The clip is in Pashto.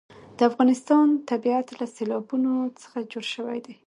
د افغانستان طبیعت له سیلابونه څخه جوړ شوی دی.